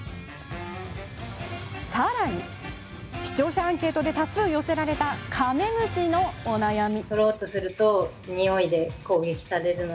さらに、視聴者アンケートで多数寄せられたカメムシのお悩み。